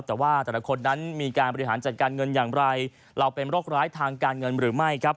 แต่ว่าแต่ละคนนั้นมีการบริหารจัดการเงินอย่างไรเราเป็นโรคร้ายทางการเงินหรือไม่ครับ